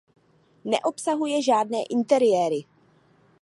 Neobsahuje žádné interiéry.